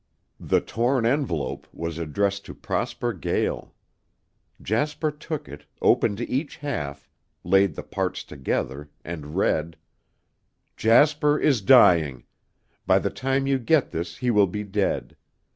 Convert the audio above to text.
The torn envelope was addressed to Prosper Gael. Jasper took it, opened each half, laid the parts together, and read: Jasper is dying. By the time you get this he will be dead.